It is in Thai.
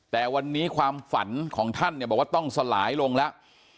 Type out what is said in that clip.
แต่วันนี้ความฝันของท่านเนี่ยบอกว่าต้องสลายลงแล้ว